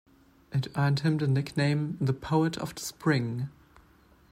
It earned him the nickname the Poet of the Spring.